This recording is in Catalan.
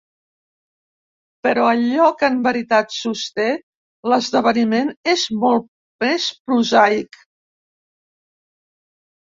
Però allò que en veritat sosté l'esdeveniment és molt més prosaic.